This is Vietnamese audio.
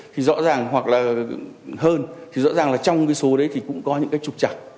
thì rõ ràng hoặc là hơn thì rõ ràng là trong cái số đấy thì cũng có những cái trục chặt